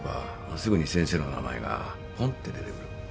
すぐに先生の名前がぽんって出てくる。